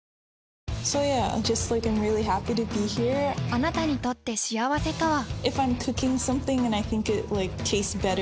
あなたにとって幸せとは？